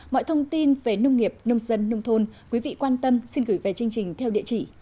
mọi thông tin về nông nghiệp nông dân nông thôn quý vị quan tâm xin gửi về chương trình theo địa chỉ